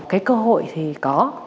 cái cơ hội thì có